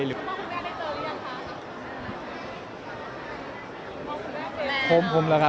คุณพ่อคุณแม่ได้เจอหรือยังคะ